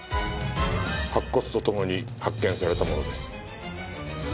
白骨と共に発見されたものです。